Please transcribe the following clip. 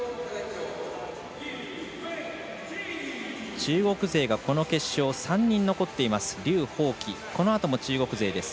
中国勢がこの決勝３人残っています。